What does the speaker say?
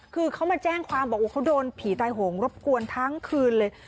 คือเขามาแจ้งความบอกว่าเขาโดนผีตายโหงรบกวนทั้งคืนเลย